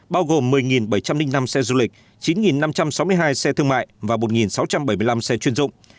bao gồm một mươi bảy trăm linh năm xe du lịch chín năm trăm sáu mươi hai xe thương mại và một sáu trăm bảy mươi năm xe chuyên dụng